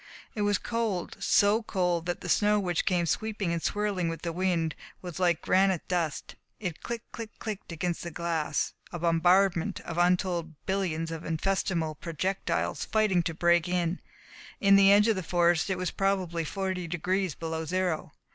It was cold so cold that the snow which came sweeping and swirling with the wind was like granite dust; it clicked, clicked, clicked against the glass a bombardment of untold billions of infinitesimal projectiles fighting to break in. In the edge of the forest it was probably forty degrees below zero.